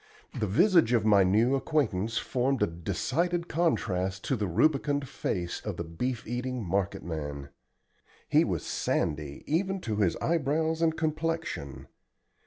The visage of my new acquaintance formed a decided contrast to the rubicund face of the beef eating marketman. He was sandy even to his eyebrows and complexion.